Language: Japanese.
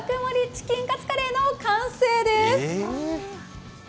チキンカツカレーの完成です。